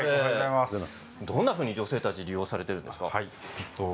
どんなふうに女性たちは利用されてるんですか？